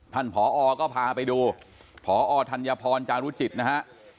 ผอก็พาไปดูพอธัญพรจารุจิตนะฮะ